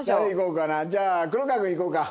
じゃあ黒川君いこうか。